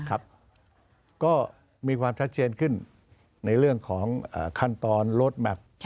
ครับก็มีความชัดเชนขึ้นในเรื่องของคันตรโลธแม็กซ์